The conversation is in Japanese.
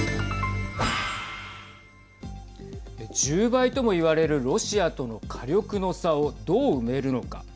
１０倍ともいわれるロシアとの火力の差をどう埋めるのか。